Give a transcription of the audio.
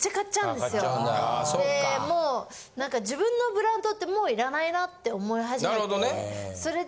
でもうなんか自分のブランドってもういらないなって思い始めて。